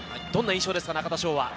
どんな印象ですか？